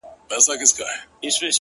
د ميني شر نه دى چي څـوك يـې پــټ كړي _